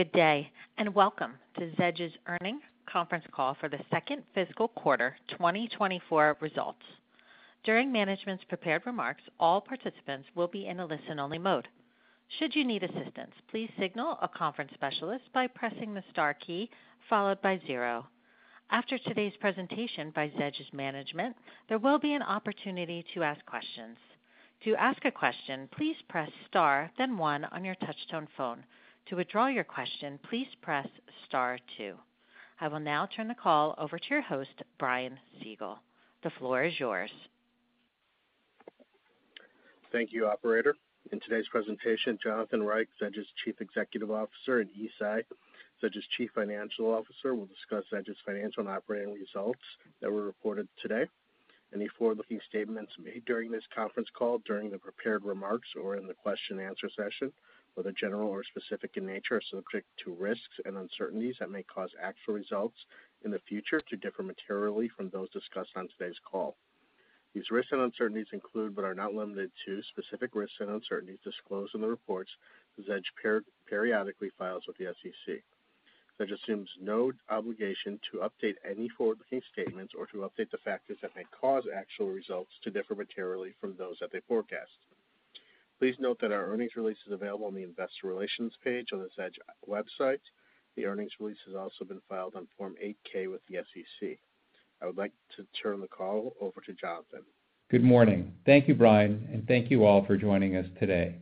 Good day and welcome to Zedge's earnings conference call for the second fiscal quarter 2024 results. During management's prepared remarks, all participants will be in a listen-only mode. Should you need assistance, please signal a conference specialist by pressing the star key followed by 0. After today's presentation by Zedge's management, there will be an opportunity to ask questions. To ask a question, please press star then 1 on your touch-tone phone. To withdraw your question, please press star 2. I will now turn the call over to your host, Brian Siegel. The floor is yours. Thank you, operator. In today's presentation, Jonathan Reich, Zedge's Chief Executive Officer, and Yi Tsai, Zedge's Chief Financial Officer, will discuss Zedge's financial and operating results that were reported today. Any forward-looking statements made during this conference call, during the prepared remarks, or in the question-and-answer session, whether general or specific in nature, are subject to risks and uncertainties that may cause actual results in the future to differ materially from those discussed on today's call. These risks and uncertainties include but are not limited to specific risks and uncertainties disclosed in the reports Zedge periodically files with the SEC. Zedge assumes no obligation to update any forward-looking statements or to update the factors that may cause actual results to differ materially from those that they forecast. Please note that our earnings release is available on the investor relations page on the Zedge website. The earnings release has also been filed on Form 8-K with the SEC. I would like to turn the call over to Jonathan. Good morning. Thank you, Brian, and thank you all for joining us today.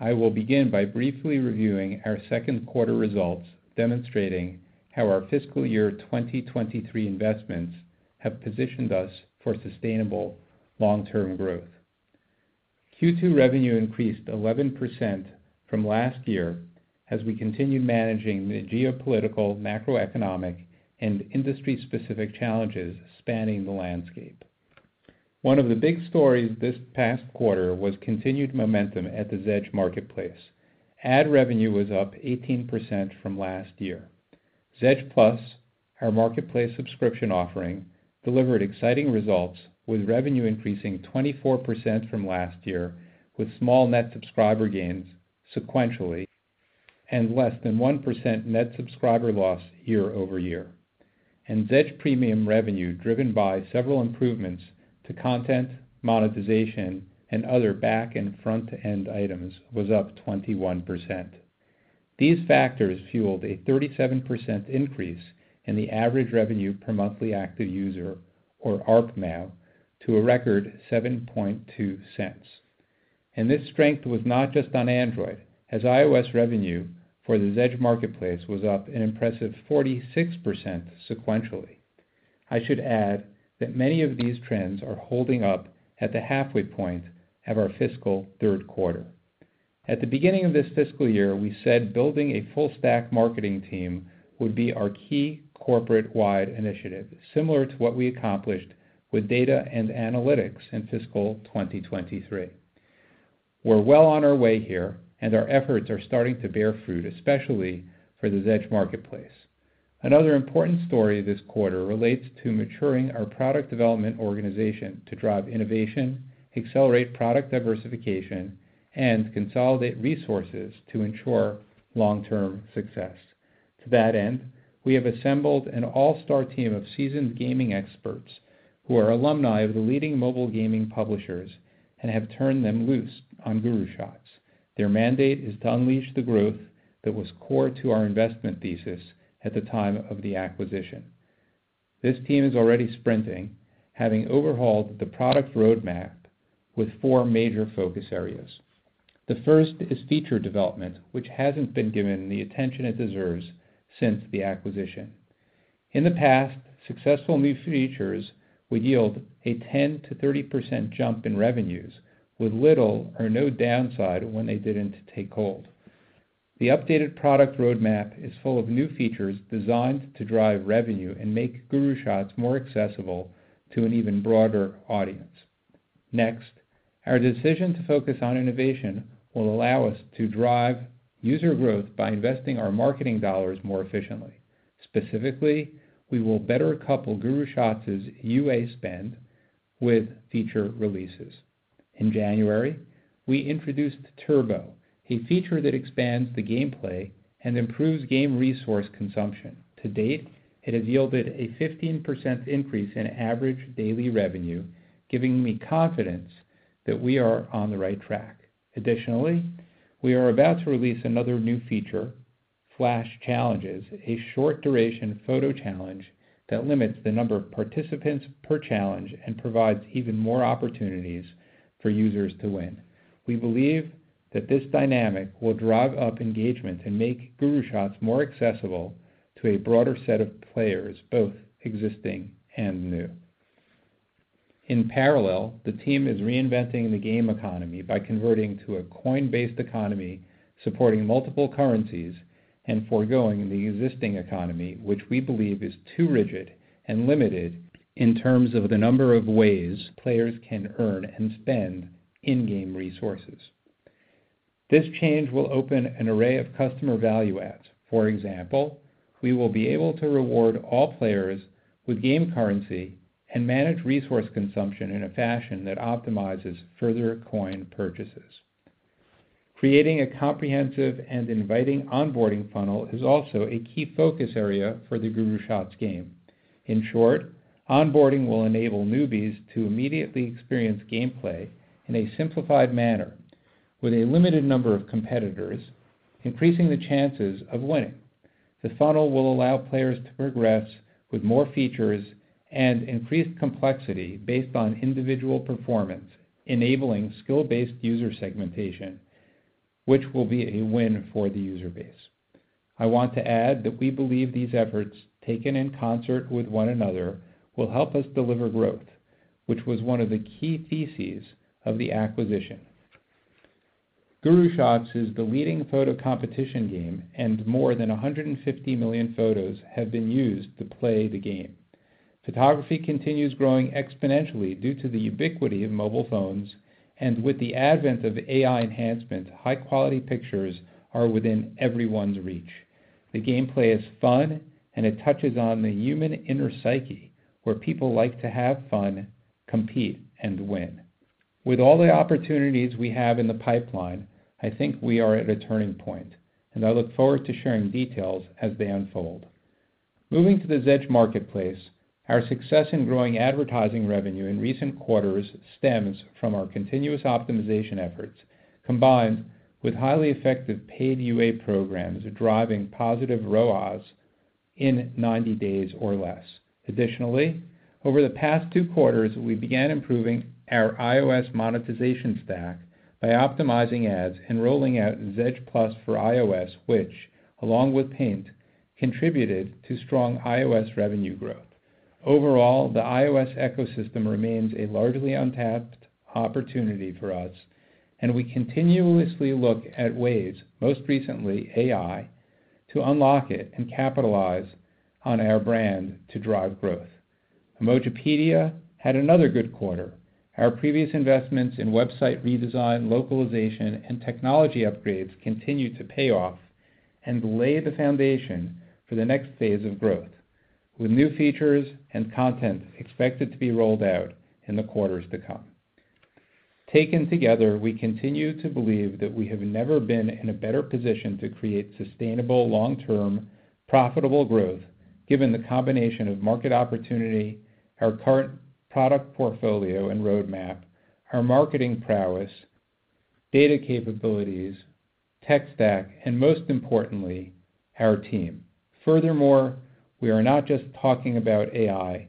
I will begin by briefly reviewing our second quarter results demonstrating how our fiscal year 2023 investments have positioned us for sustainable long-term growth. Q2 revenue increased 11% from last year as we continued managing the geopolitical, macroeconomic, and industry-specific challenges spanning the landscape. One of the big stories this past quarter was continued momentum at the Zedge Marketplace. Ad revenue was up 18% from last year. Zedge Plus, our marketplace subscription offering, delivered exciting results with revenue increasing 24% from last year with small net subscriber gains sequentially and less than 1% net subscriber loss year-over-year. Zedge Premium revenue, driven by several improvements to content, monetization, and other back-end, front-end items, was up 21%. These factors fueled a 37% increase in the average revenue per monthly active user, or ARPMAU, to a record $0.072. This strength was not just on Android, as iOS revenue for the Zedge Marketplace was up an impressive 46% sequentially. I should add that many of these trends are holding up at the halfway point of our fiscal third quarter. At the beginning of this fiscal year, we said building a full-stack marketing team would be our key corporate-wide initiative, similar to what we accomplished with data and analytics in fiscal 2023. We're well on our way here, and our efforts are starting to bear fruit, especially for the Zedge Marketplace. Another important story this quarter relates to maturing our product development organization to drive innovation, accelerate product diversification, and consolidate resources to ensure long-term success. To that end, we have assembled an all-star team of seasoned gaming experts who are alumni of the leading mobile gaming publishers and have turned them loose on GuruShots. Their mandate is to unleash the growth that was core to our investment thesis at the time of the acquisition. This team is already sprinting, having overhauled the product roadmap with four major focus areas. The first is feature development, which hasn't been given the attention it deserves since the acquisition. In the past, successful new features would yield a 10%-30% jump in revenues with little or no downside when they didn't take hold. The updated product roadmap is full of new features designed to drive revenue and make GuruShots more accessible to an even broader audience. Next, our decision to focus on innovation will allow us to drive user growth by investing our marketing dollars more efficiently. Specifically, we will better couple GuruShots' UA spend with feature releases. In January, we introduced Turbo, a feature that expands the gameplay and improves game resource consumption. To date, it has yielded a 15% increase in average daily revenue, giving me confidence that we are on the right track. Additionally, we are about to release another new feature, Flash Challenges, a short-duration photo challenge that limits the number of participants per challenge and provides even more opportunities for users to win. We believe that this dynamic will drive up engagement and make GuruShots more accessible to a broader set of players, both existing and new. In parallel, the team is reinventing the game economy by converting to a coin-based economy supporting multiple currencies and forgoing the existing economy, which we believe is too rigid and limited in terms of the number of ways players can earn and spend in-game resources. This change will open an array of customer value adds. For example, we will be able to reward all players with game currency and manage resource consumption in a fashion that optimizes further coin purchases. Creating a comprehensive and inviting onboarding funnel is also a key focus area for the GuruShots game. In short, onboarding will enable newbies to immediately experience gameplay in a simplified manner with a limited number of competitors, increasing the chances of winning. The funnel will allow players to progress with more features and increased complexity based on individual performance, enabling skill-based user segmentation, which will be a win for the user base. I want to add that we believe these efforts taken in concert with one another will help us deliver growth, which was one of the key theses of the acquisition. GuruShots is the leading photo competition game, and more than 150 million photos have been used to play the game. Photography continues growing exponentially due to the ubiquity of mobile phones, and with the advent of AI enhancement, high-quality pictures are within everyone's reach. The gameplay is fun, and it touches on the human inner psyche where people like to have fun, compete, and win. With all the opportunities we have in the pipeline, I think we are at a turning point, and I look forward to sharing details as they unfold. Moving to the Zedge Marketplace, our success in growing advertising revenue in recent quarters stems from our continuous optimization efforts combined with highly effective paid UA programs driving positive ROAS in 90 days or less. Additionally, over the past two quarters, we began improving our iOS monetization stack by optimizing ads and rolling out Zedge Plus for iOS, which, along with pAInt, contributed to strong iOS revenue growth. Overall, the iOS ecosystem remains a largely untapped opportunity for us, and we continuously look at ways, most recently AI, to unlock it and capitalize on our brand to drive growth. Emojipedia had another good quarter. Our previous investments in website redesign, localization, and technology upgrades continue to pay off and lay the foundation for the next phase of growth with new features and content expected to be rolled out in the quarters to come. Taken together, we continue to believe that we have never been in a better position to create sustainable, long-term, profitable growth given the combination of market opportunity, our current product portfolio and roadmap, our marketing prowess, data capabilities, tech stack, and most importantly, our team. Furthermore, we are not just talking about AI.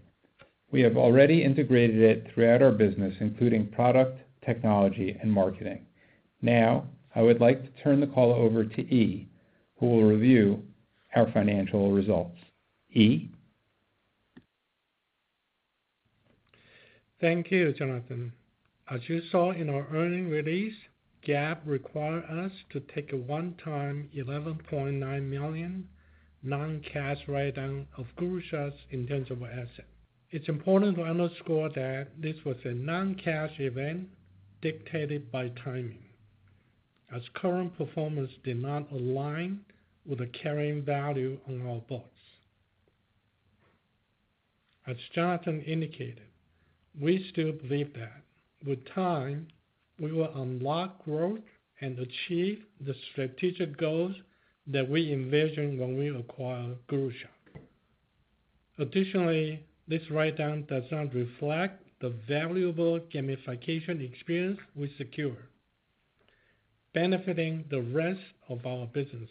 We have already integrated it throughout our business, including product, technology, and marketing. Now, I would like to turn the call over to Yi, who will review our financial results. Yi? Thank you, Jonathan. As you saw in our earnings release, GAAP required us to take a one-time $11.9 million non-cash write-down of GuruShots' intangible assets. It's important to underscore that this was a non-cash event dictated by timing, as current performance did not align with the carrying value on our books. As Jonathan indicated, we still believe that with time, we will unlock growth and achieve the strategic goals that we envision when we acquire GuruShots. Additionally, this write-down does not reflect the valuable gamification experience we secured, benefiting the rest of our business.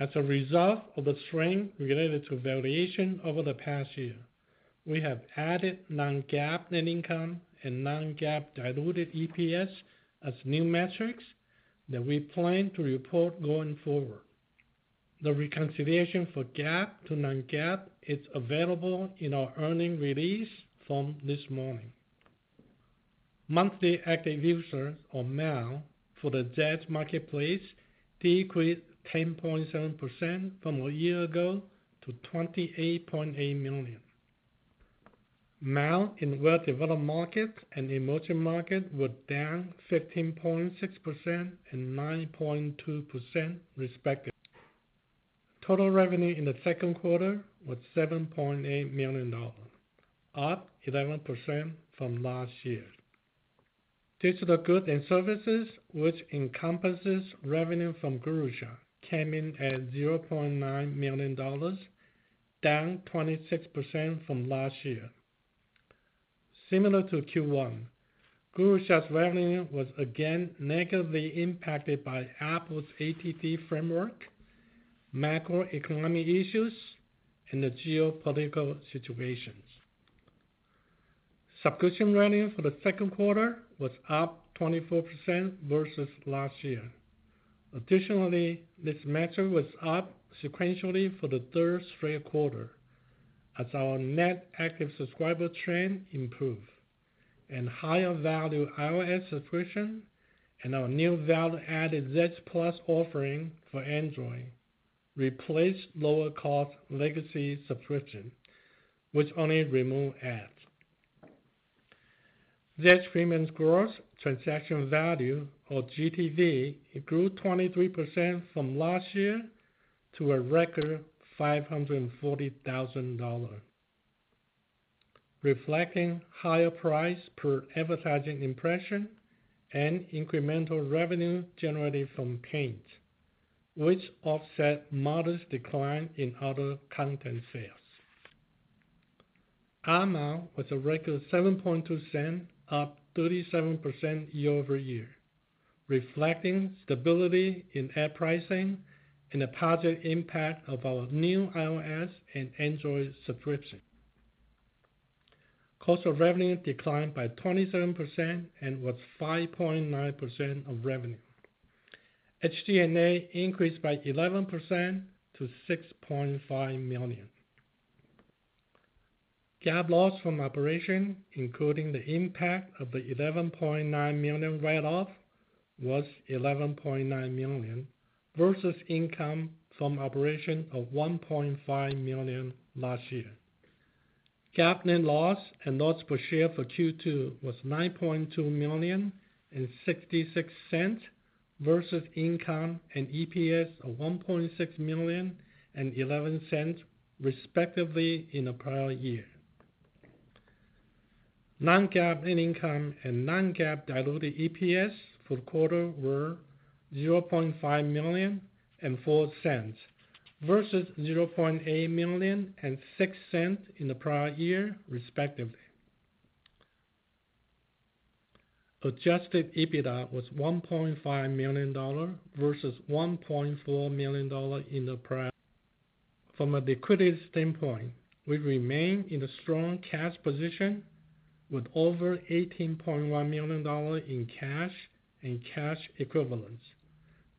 As a result of the strain related to valuation over the past year, we have added non-GAAP net income and non-GAAP diluted EPS as new metrics that we plan to report going forward. The reconciliation for GAAP to non-GAAP is available in our earnings release from this morning. Monthly active users, or MAU, for the Zedge Marketplace decreased 10.7% from a year ago to 28.8 million. MAU in well-developed markets and emerging markets were down 15.6% and 9.2% respectively. Total revenue in the second quarter was $7.8 million, up 11% from last year. Digital goods and services, which encompasses revenue from GuruShots, came in at $0.9 million, down 26% from last year. Similar to Q1, GuruShots' revenue was again negatively impacted by Apple's ATT framework, macroeconomic issues, and the geopolitical situations. Subscription revenue for the second quarter was up 24% versus last year. Additionally, this metric was up sequentially for the third straight quarter as our net active subscriber trend improved. Higher-value iOS subscription and our new value-added Zedge Plus offering for Android replaced lower-cost legacy subscriptions, which only removed ads. Zedge payments Gross Transaction Value, or GTV, grew 23% from last year to a record $540,000, reflecting higher price per advertising impression and incremental revenue generated from Paint, which offset modest decline in other content sales. ARPMAO was a record $0.072, up 37% year-over-year, reflecting stability in ad pricing and the positive impact of our new iOS and Android subscriptions. Cost of revenue declined by 27% and was 5.9% of revenue. SG&A increased by 11% to $6.5 million. GAAP loss from operation, including the impact of the $11.9 million write-off, was $11.9 million versus income from operation of $1.5 million last year. GAAP net loss and loss per share for Q2 was $9.2 million and $0.66 versus income and EPS of $1.6 million and $0.11 respectively in the prior year. Non-GAAP net income and non-GAAP diluted EPS for the quarter were $0.5 million and $0.04 versus $0.8 million and $0.06 in the prior year, respectively. Adjusted EBITDA was $1.5 million versus $1.4 million in the prior year. From a liquidity standpoint, we remain in a strong cash position with over $18.1 million in cash and cash equivalents.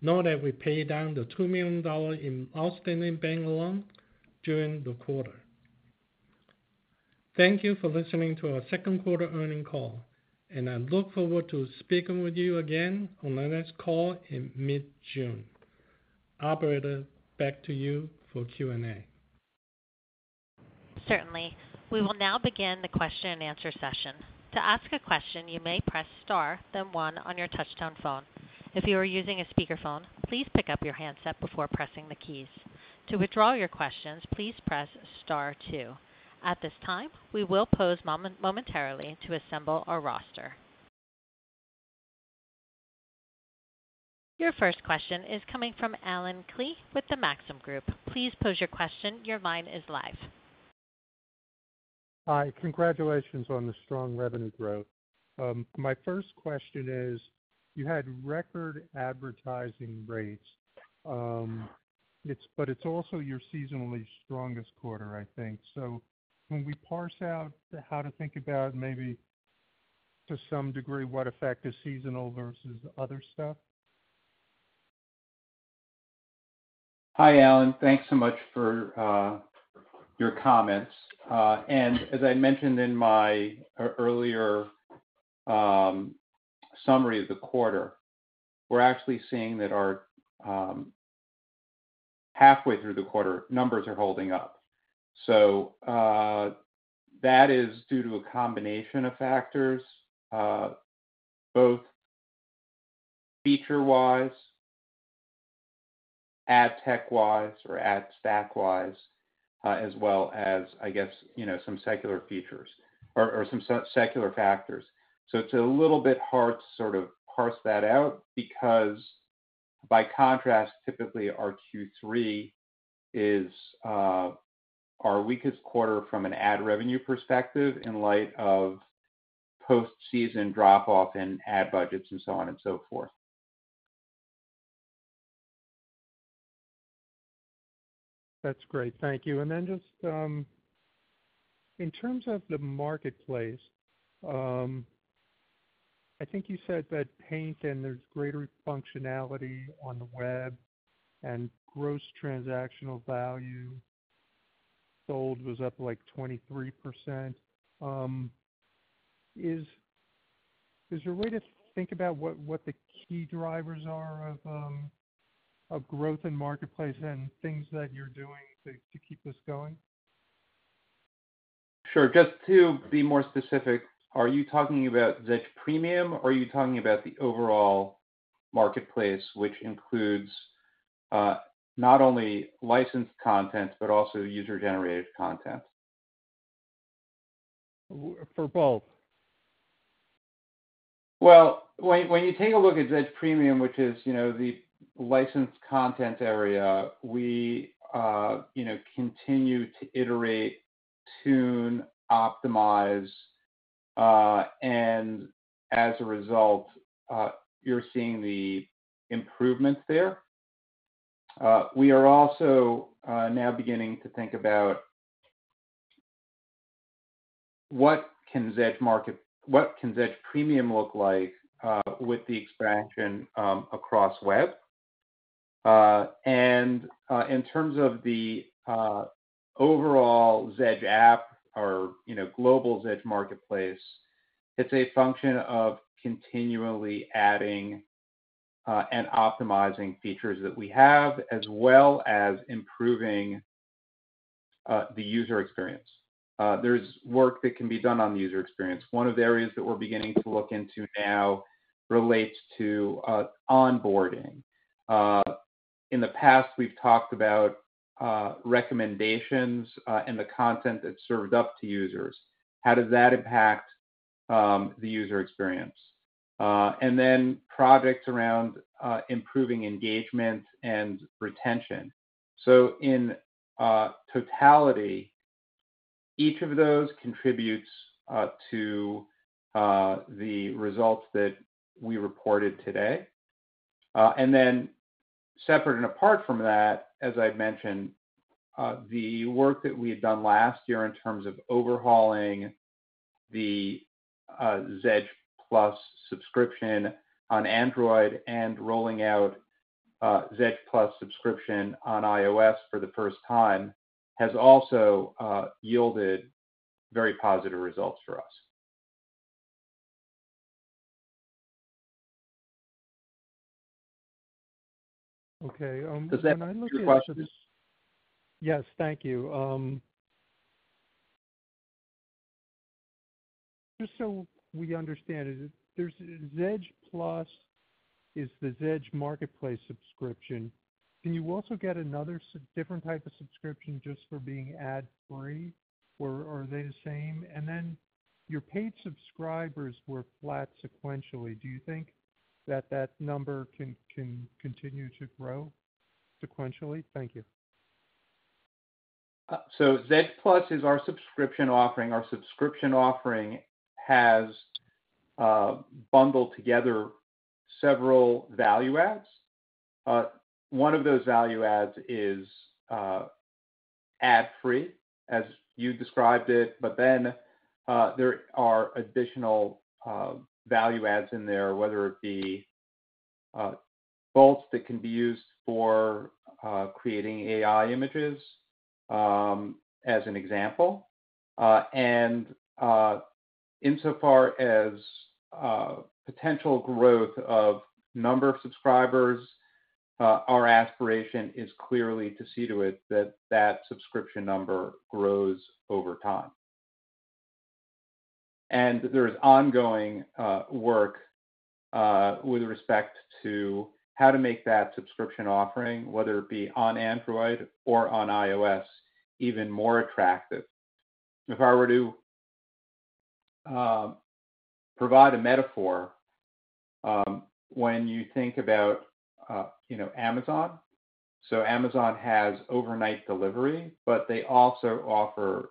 Note that we paid down the $2 million in outstanding bank loan during the quarter. Thank you for listening to our second quarter earnings call, and I look forward to speaking with you again on our next call in mid-June. Operator, back to you for Q&A. Certainly. We will now begin the question-and-answer session. To ask a question, you may press star, then one, on your touch-tone phone. If you are using a speakerphone, please pick up your handset before pressing the keys. To withdraw your questions, please press star two. At this time, we will pause momentarily to assemble our roster. Your first question is coming from Alan Klee with the Maxim Group. Please pose your question. Your line is live. Hi. Congratulations on the strong revenue growth. My first question is, you had record advertising rates, but it's also your seasonally strongest quarter, I think. So can we parse out how to think about maybe, to some degree, what affected seasonal versus other stuff? Hi, Alan. Thanks so much for your comments. As I mentioned in my earlier summary of the quarter, we're actually seeing that halfway through the quarter, numbers are holding up. That is due to a combination of factors, both feature-wise, ad tech-wise, or ad stack-wise, as well as, I guess, some secular features or some secular factors. It's a little bit hard to sort of parse that out because, by contrast, typically, our Q3 is our weakest quarter from an ad revenue perspective in light of post-season drop-off in ad budgets and so on and so forth. That's great. Thank you. And then just in terms of the marketplace, I think you said that pAInt and there's greater functionality on the web and gross transaction value sold was up like 23%. Is there a way to think about what the key drivers are of growth in the marketplace and things that you're doing to keep this going? Sure. Just to be more specific, are you talking about Zedge Premium, or are you talking about the overall marketplace, which includes not only licensed content but also user-generated content? For both. Well, when you take a look at Zedge Premium, which is the licensed content area, we continue to iterate, tune, optimize, and as a result, you're seeing the improvements there. We are also now beginning to think about what can Zedge Premium look like with the expansion across web. In terms of the overall Zedge app or global Zedge Marketplace, it's a function of continually adding and optimizing features that we have as well as improving the user experience. There's work that can be done on the user experience. One of the areas that we're beginning to look into now relates to onboarding. In the past, we've talked about recommendations and the content that's served up to users. How does that impact the user experience? Then projects around improving engagement and retention. In totality, each of those contributes to the results that we reported today. Then separate and apart from that, as I mentioned, the work that we had done last year in terms of overhauling the Zedge Plus subscription on Android and rolling out Zedge Plus subscription on iOS for the first time has also yielded very positive results for us. Okay. Can I look at your questions? Does that answer your question? Yes. Thank you. Just so we understand, Zedge Plus is the Zedge Marketplace subscription. Can you also get another different type of subscription just for being ad-free, or are they the same? And then your paid subscribers were flat sequentially. Do you think that that number can continue to grow sequentially? Thank you. Zedge Plus is our subscription offering. Our subscription offering has bundled together several value adds. One of those value adds is ad-free, as you described it, but then there are additional value adds in there, whether it be bolts that can be used for creating AI images, as an example. Insofar as potential growth of number of subscribers, our aspiration is clearly to see to it that that subscription number grows over time. There is ongoing work with respect to how to make that subscription offering, whether it be on Android or on iOS, even more attractive. If I were to provide a metaphor, when you think about Amazon. So Amazon has overnight delivery, but they also offer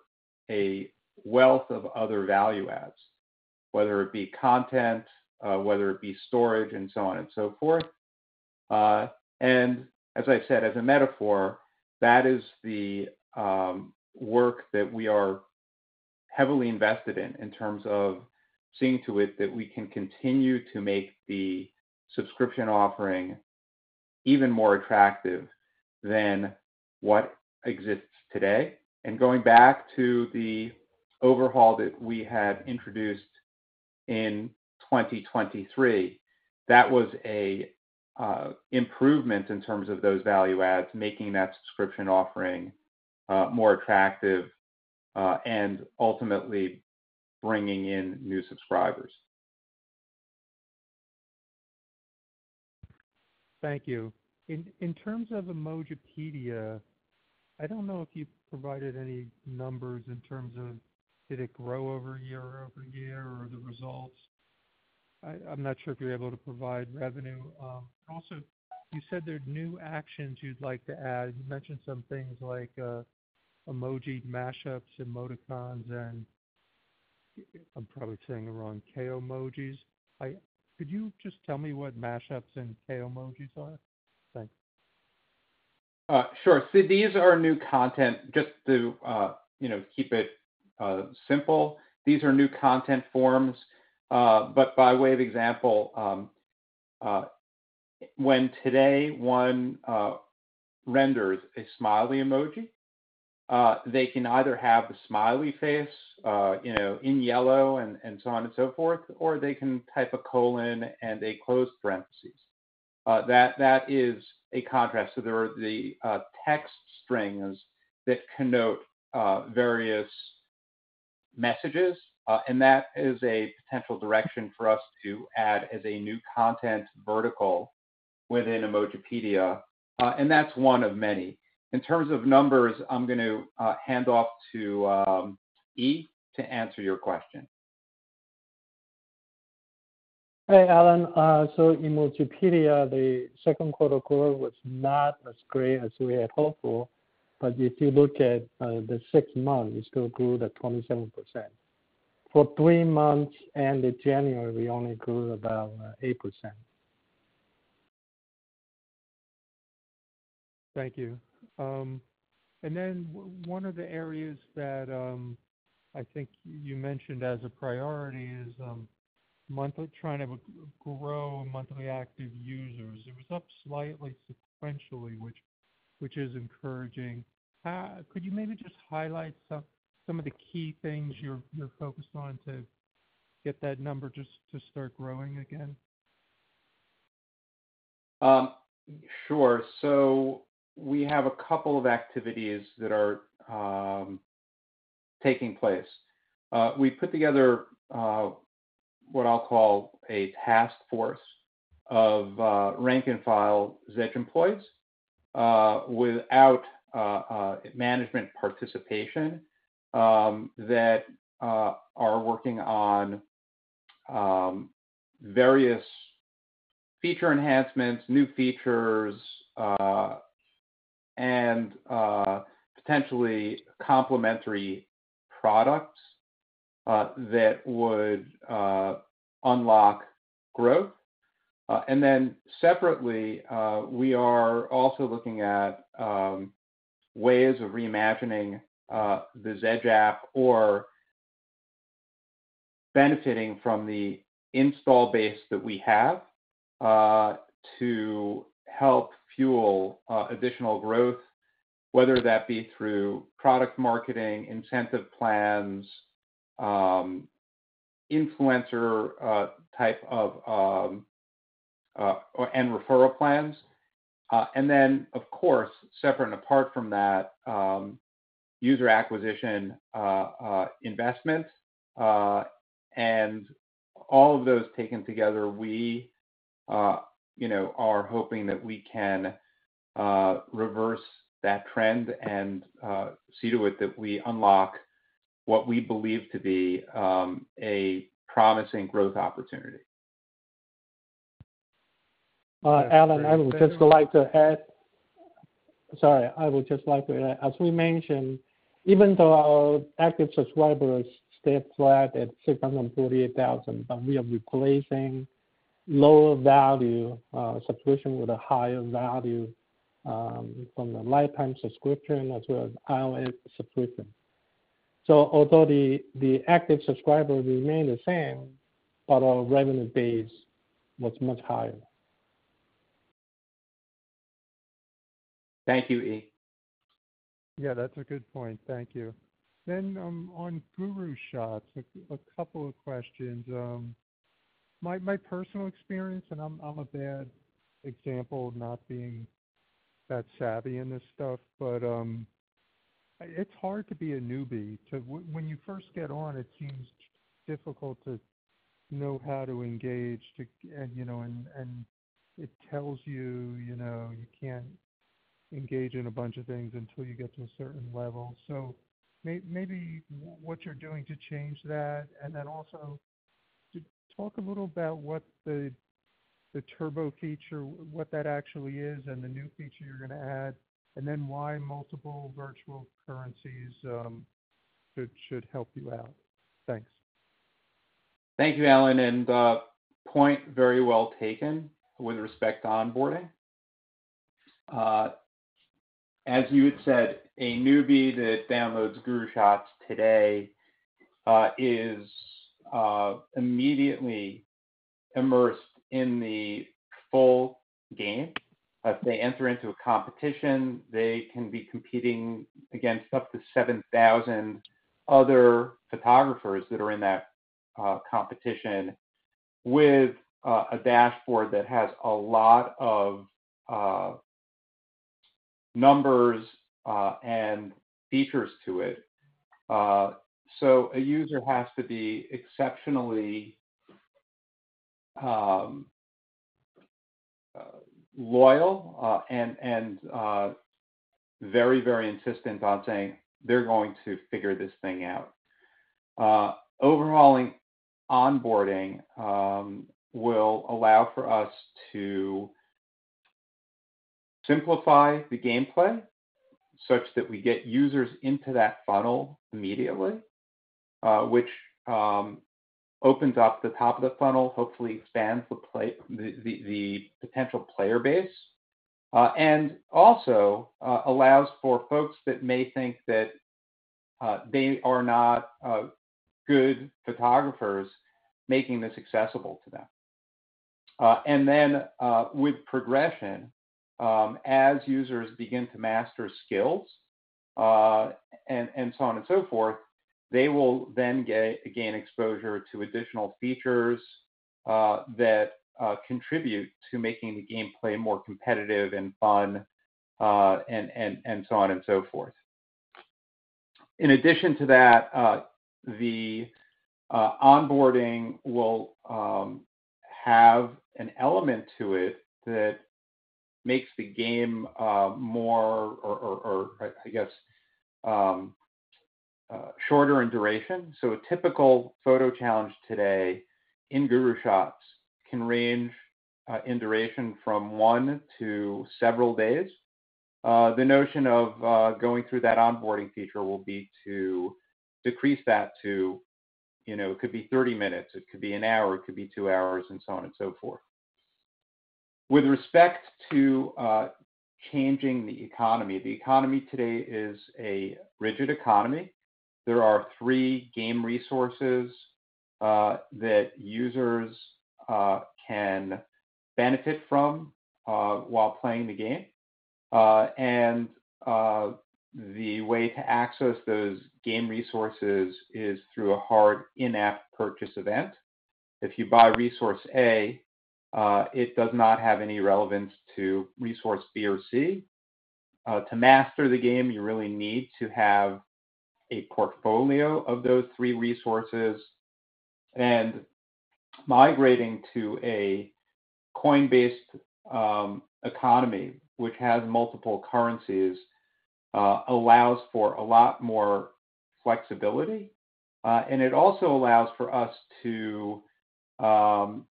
a wealth of other value adds, whether it be content, whether it be storage, and so on and so forth. As I said, as a metaphor, that is the work that we are heavily invested in terms of seeing to it that we can continue to make the subscription offering even more attractive than what exists today. And going back to the overhaul that we had introduced in 2023, that was an improvement in terms of those value adds, making that subscription offering more attractive and ultimately bringing in new subscribers. Thank you. In terms of Emojipedia, I don't know if you provided any numbers in terms of did it grow year-over-year or the results. I'm not sure if you're able to provide revenue. Also, you said there are new actions you'd like to add. You mentioned some things like emoji mashups and emoticons and I'm probably saying the wrong, combos. Could you just tell me what mashups and combos are? Thanks. Sure. See, these are new content. Just to keep it simple, these are new content forms. But by way of example, when today, one renders a smiley emoji, they can either have the smiley face in yellow and so on and so forth, or they can type a colon and a closed parentheses. That is a contrast. So there are the text strings that connote various messages. And that is a potential direction for us to add as a new content vertical within Emojipedia. And that's one of many. In terms of numbers, I'm going to hand off to Yi to answer your question. Hey, Alan. Emojipedia, the second quarter growth was not as great as we had hoped for. If you look at the six months, it still grew 27%. For three months end of January, we only grew about 8%. Thank you. Then one of the areas that I think you mentioned as a priority is trying to grow monthly active users. It was up slightly sequentially, which is encouraging. Could you maybe just highlight some of the key things you're focused on to get that number just to start growing again? Sure. So we have a couple of activities that are taking place. We put together what I'll call a task force of rank-and-file Zedge employees without management participation that are working on various feature enhancements, new features, and potentially complementary products that would unlock growth. Then separately, we are also looking at ways of reimagining the Zedge app or benefiting from the install base that we have to help fuel additional growth, whether that be through product marketing, incentive plans, influencer type of and referral plans. And then, of course, separate and apart from that, user acquisition investment. And all of those taken together, we are hoping that we can reverse that trend and subdue it, that we unlock what we believe to be a promising growth opportunity. Alan, I would just like to add, sorry. As we mentioned, even though our active subscribers stay flat at 648,000, but we are replacing lower-value subscription with a higher value from the lifetime subscription as well as iOS subscription. So although the active subscriber remained the same, but our revenue base was much higher. Thank you, Yi. Yeah, that's a good point. Thank you. Then on GuruShots, a couple of questions. My personal experience, and I'm a bad example of not being that savvy in this stuff, but it's hard to be a newbie. When you first get on, it seems difficult to know how to engage, and it tells you you can't engage in a bunch of things until you get to a certain level. So maybe what you're doing to change that. And then also, talk a little about what the Turbo feature, what that actually is, and the new feature you're going to add, and then why multiple virtual currencies should help you out. Thanks. Thank you, Alan. Point very well taken with respect to onboarding. As you had said, a newbie that downloads GuruShots today is immediately immersed in the full game. If they enter into a competition, they can be competing against up to 7,000 other photographers that are in that competition with a dashboard that has a lot of numbers and features to it. So a user has to be exceptionally loyal and very, very insistent on saying, "They're going to figure this thing out." Overhauling onboarding will allow for us to simplify the gameplay such that we get users into that funnel immediately, which opens up the top of the funnel, hopefully expands the potential player base, and also allows for folks that may think that they are not good photographers making this accessible to them. Then with progression, as users begin to master skills and so on and so forth, they will then gain exposure to additional features that contribute to making the gameplay more competitive and fun and so on and so forth. In addition to that, the onboarding will have an element to it that makes the game more, I guess, shorter in duration. So a typical photo challenge today in GuruShots can range in duration from one to several days. The notion of going through that onboarding feature will be to decrease that to it could be 30 minutes. It could be an hour. It could be two hours and so on and so forth. With respect to changing the economy, the economy today is a rigid economy. There are three game resources that users can benefit from while playing the game. The way to access those game resources is through a hard in-app purchase event. If you buy resource A, it does not have any relevance to resource B or C. To master the game, you really need to have a portfolio of those three resources. And migrating to a coin-based economy, which has multiple currencies, allows for a lot more flexibility. And it also allows for us to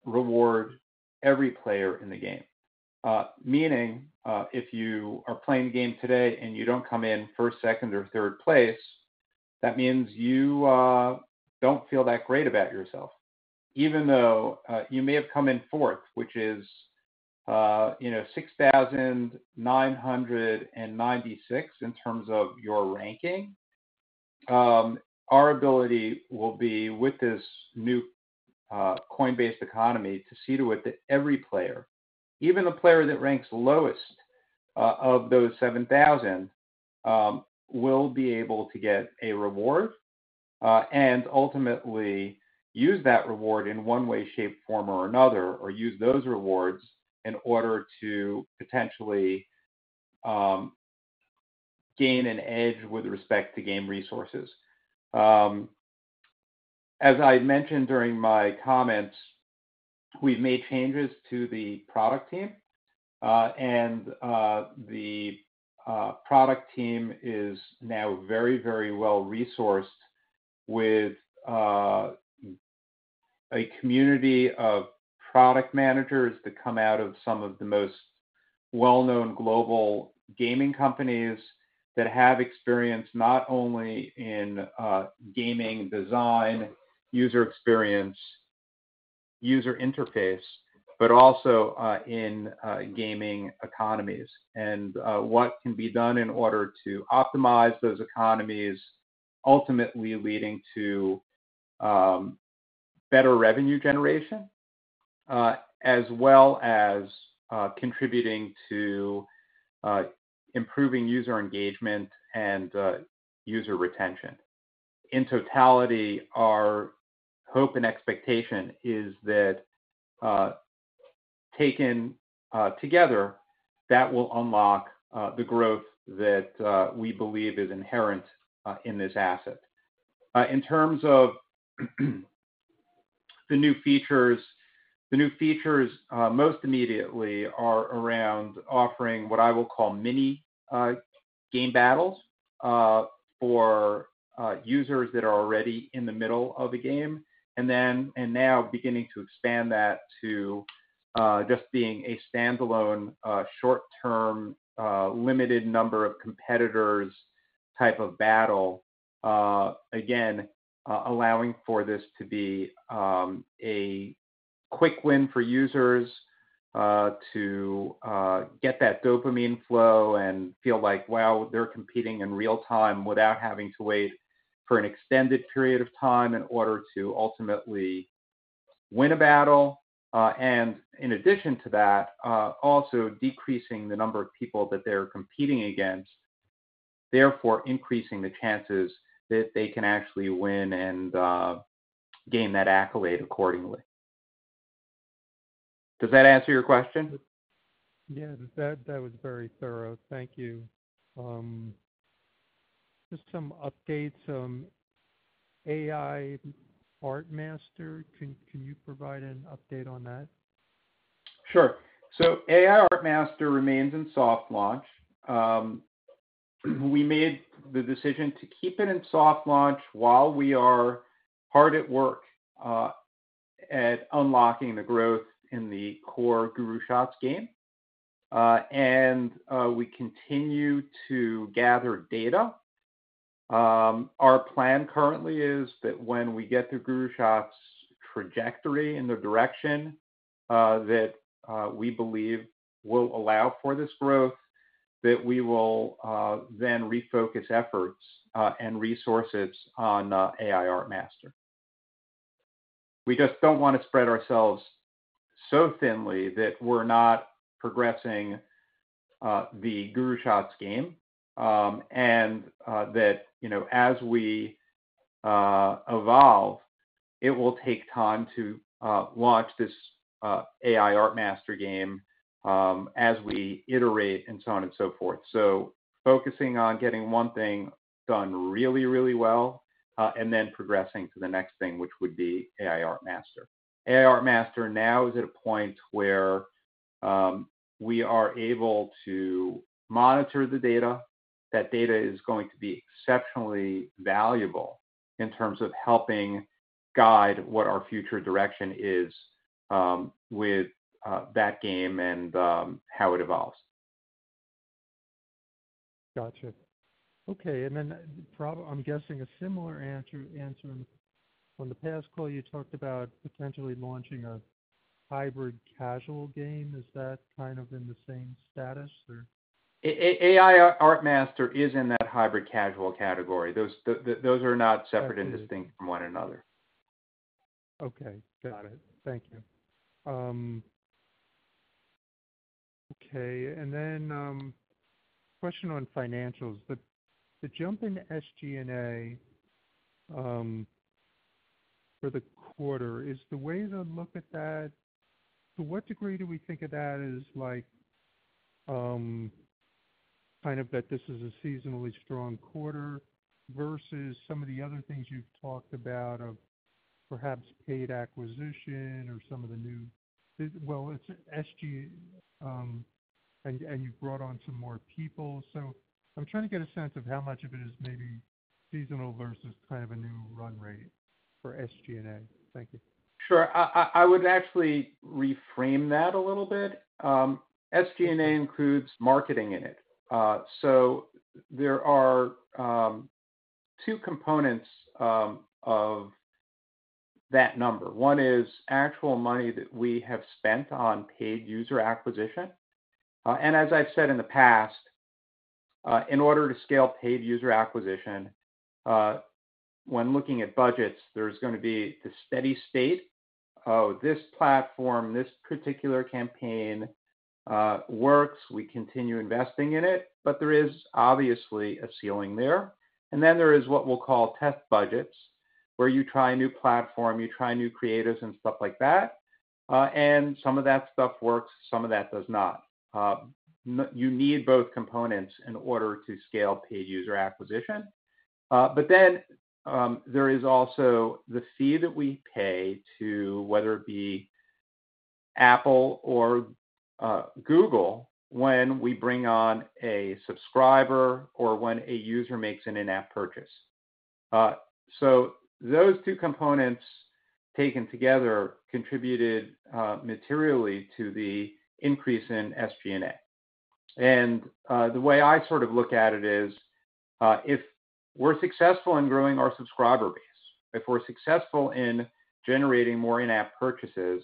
reward every player in the game. Meaning, if you are playing the game today and you don't come in first, second, or third place, that means you don't feel that great about yourself. Even though you may have come in fourth, which is 6,996 in terms of your ranking, our ability will be, with this new coin-based economy, to cede it to every player. Even the player that ranks lowest of those 7,000 will be able to get a reward and ultimately use that reward in one way, shape, form, or another, or use those rewards in order to potentially gain an edge with respect to game resources. As I had mentioned during my comments, we've made changes to the product team. The product team is now very, very well resourced with a community of product managers that come out of some of the most well-known global gaming companies that have experience not only in gaming design, user experience, user interface, but also in gaming economies and what can be done in order to optimize those economies, ultimately leading to better revenue generation, as well as contributing to improving user engagement and user retention. In totality, our hope and expectation is that taken together, that will unlock the growth that we believe is inherent in this asset. In terms of the new features, the new features most immediately are around offering what I will call mini game battles for users that are already in the middle of a game and now beginning to expand that to just being a standalone, short-term, limited number of competitors type of battle. Allowing for this to be a quick win for users to get that dopamine flow and feel like, "Wow, they're competing in real time without having to wait for an extended period of time in order to ultimately win a battle." And in addition to that, also decreasing the number of people that they're competing against, therefore, increasing the chances that they can actually win and gain that accolade accordingly. Does that answer your question? Yeah, that was very thorough. Thank you. Just some updates. AI Art Master, can you provide an update on that? Sure. So AI Art Master remains in soft launch. We made the decision to keep it in soft launch while we are hard at work at unlocking the growth in the core GuruShots game. And we continue to gather data. Our plan currently is that when we get to GuruShots' trajectory in the direction that we believe will allow for this growth, that we will then refocus efforts and resources on AI Art Master. We just don't want to spread ourselves so thinly that we're not progressing the GuruShots game and that as we evolve, it will take time to launch this AI Art Master game as we iterate and so on and so forth. So focusing on getting one thing done really, really well and then progressing to the next thing, which would be AI Art Master. AI Art Master now is at a point where we are able to monitor the data. That data is going to be exceptionally valuable in terms of helping guide what our future direction is with that game and how it evolves. Gotcha. Okay. And then I'm guessing a similar answer. On the past call, you talked about potentially launching a hybrid casual game. Is that kind of in the same status, or? AI Art Master is in that hybrid casual category. Those are not separate and distinct from one another. Okay. Got it. Thank you. Okay. And then question on financials. The jump in SG&A for the quarter, is the way to look at that, to what degree do we think of that as kind of that this is a seasonally strong quarter versus some of the other things you've talked about of perhaps paid acquisition or some of the new—well, it's SG&A, and you've brought on some more people. So I'm trying to get a sense of how much of it is maybe seasonal versus kind of a new run rate for SG&A. Thank you. Sure. I would actually reframe that a little bit. SG&A includes marketing in it. So there are two components of that number. One is actual money that we have spent on paid user acquisition. And as I've said in the past, in order to scale paid user acquisition, when looking at budgets, there's going to be the steady state, "Oh, this platform, this particular campaign works. We continue investing in it." But there is obviously a ceiling there. And then there is what we'll call test budgets, where you try a new platform, you try new creatives, and stuff like that. And some of that stuff works. Some of that does not. You need both components in order to scale paid user acquisition. Then there is also the fee that we pay to whether it be Apple or Google when we bring on a subscriber or when a user makes an in-app purchase. So those two components taken together contributed materially to the increase in SG&A. And the way I sort of look at it is if we're successful in growing our subscriber base, if we're successful in generating more in-app purchases,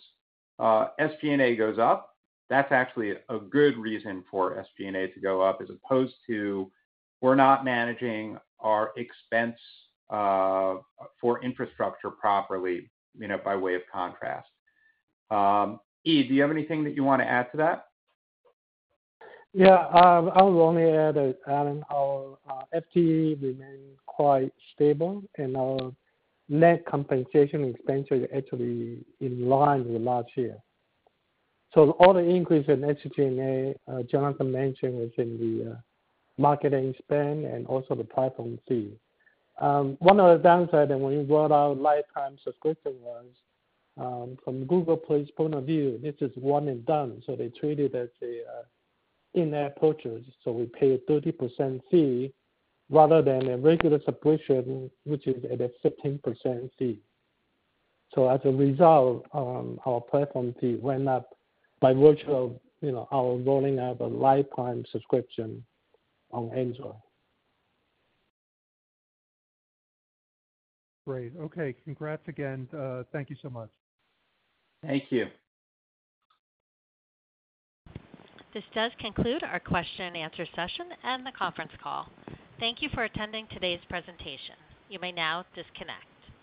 SG&A goes up. That's actually a good reason for SG&A to go up as opposed to we're not managing our expense for infrastructure properly by way of contrast. Yi, do you have anything that you want to add to that? Yeah. I will only add that, Alan, our FTE remained quite stable, and our net compensation expenses are actually in line with last year. So all the increase in SG&A, Jonathan mentioned, was in the marketing spend and also the platform fee. One of the downsides, and when you brought out lifetime subscription was, from Google Play's point of view, this is one and done. So they treated it as an in-app purchase. So we paid a 30% fee rather than a regular subscription, which is at a 15% fee. So as a result, our platform fee went up by virtue of our rolling out of a lifetime subscription on Android. Great. Okay. Congrats again. Thank you so much. Thank you. This does conclude our question-and-answer session and the conference call. Thank you for attending today's presentation. You may now disconnect.